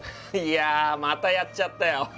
いやまたやっちゃったよ。